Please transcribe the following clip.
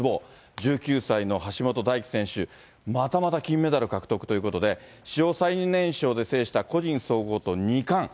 １９歳の橋本大輝選手、またまた金メダル獲得ということで、史上最年少で制した個人総合と２冠。